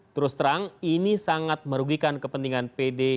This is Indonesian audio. terus terang ini sangat merugikan kepentingan pdip